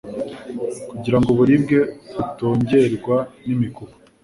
kugira ngo uburibwe butongerwa n'imikuku,